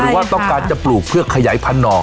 หรือว่าต้องการจะปลูกเพื่อขยายพันธุ์หน่อ